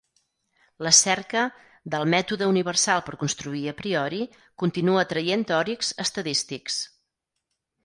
La cerca "del mètode universal per construir a priori" continua atraient teòrics estadístics.